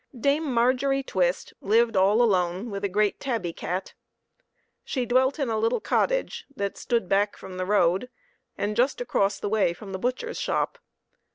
Dame Margery Twist lived all alone with a great tabby cat. She dwelt in a little cot tage that stood back from the road, and just across the way from the butcher's shop.